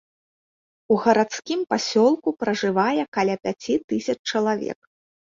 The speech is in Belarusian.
У гарадскім пасёлку пражывае каля пяці тысяч чалавек.